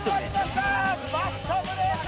バスタブレース！